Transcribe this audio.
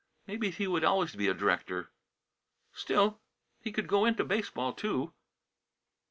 Maybe he would always be a director; still he could go into baseball, too.